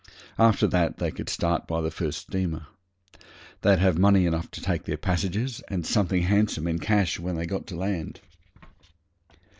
After that they could start by the first steamer. They'd have money enough to take their passages and something handsome in cash when they got to land.